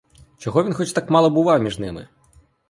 Чого він хоч так мало бував між ними!